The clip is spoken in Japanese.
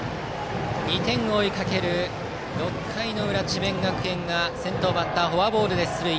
２点を追いかける６回の裏、智弁学園が先頭バッターフォアボールで出塁。